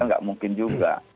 gak mungkin juga